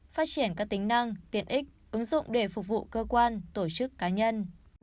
phát triển các tính năng tiện ích ứng dụng để phục vụ cơ quan tổ chức cá nhân